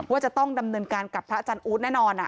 ว่าจะต้องดำเนินการกับพระอาจารย์อู๊ดแน่นอน